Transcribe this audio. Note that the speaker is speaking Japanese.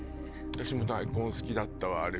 私も大根好きだったわ。